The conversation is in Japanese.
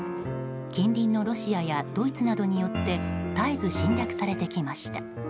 近隣のロシアやドイツなどによって絶えず侵略されてきました。